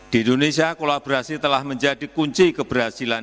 di indonesia kolaborasi telah menjadi kunci keberhasilan